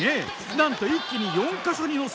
なんと一気に４か所に乗せ